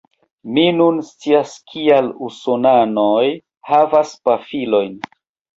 Mi nun scias kial usonanoj havas pafilojn